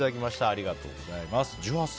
ありがとうございます。